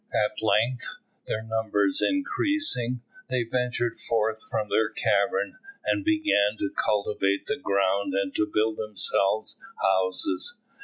At length, their numbers increasing, they ventured forth from their cavern, and began to cultivate the ground and to build themselves houses.